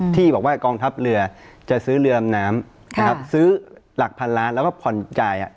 ที่บอกว่ากองทัพเรือจะซื้อเรือดำน้ำนะครับซื้อหลักพันล้านแล้วก็ผ่อนจ่าย